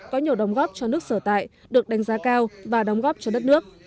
có nhiều đồng góp cho nước sở tại được đánh giá cao và đồng góp cho đất nước